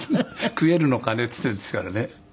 「食えるのかね」って言っているんですからね。